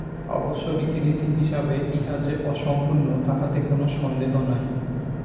অবশ্য রীতিনীতি হিসাবে ইহা যে অসম্পূর্ণ, তাহাতে কোন সন্দেহ নাই।